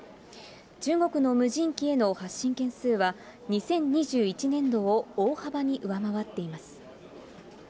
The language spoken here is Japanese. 中国の無人機への発進件数は２０２１年度を大幅に上回っています。